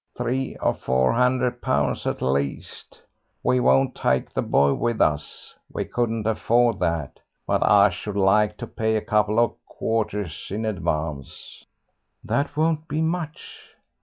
"Three or four hundred pounds at least. We won't take the boy with us, we couldn't afford that; but I should like to pay a couple of quarters in advance." "That won't be much."